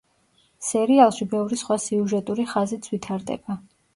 სერიალში ბევრი სხვა სიუჟეტური ხაზიც ვითარდება.